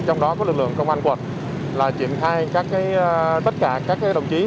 trong đó có lực lượng công an quận là triển khai tất cả các đồng chí